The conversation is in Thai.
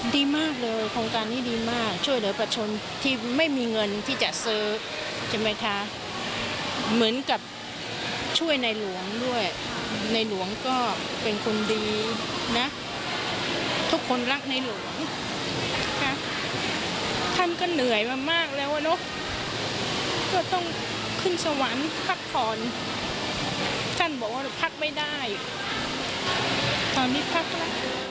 ดีมากเลยโครงการนี้ดีมากช่วยเหลือประชนที่ไม่มีเงินที่จะซื้อใช่ไหมคะเหมือนกับช่วยในหลวงด้วยในหลวงก็เป็นคนดีนะทุกคนรักในหลวงค่ะท่านก็เหนื่อยมามากแล้วเนอะก็ต้องขึ้นสวรรค์พักผ่อนท่านบอกว่าพักไม่ได้ตอนนี้พัก